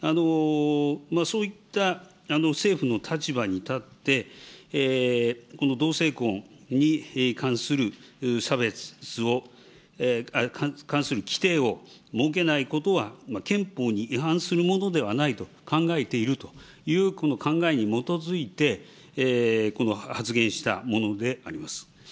そういった政府の立場に立って、この同性婚に関する差別を、規定を設けないことは憲法に違反するものではないと考えているというこの考えに基づいて、この発言したものであります。